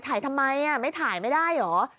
ทำไมไม่ถ่ายไม่ได้เหรอ